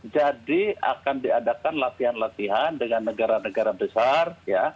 jadi akan diadakan latihan latihan dengan negara negara besar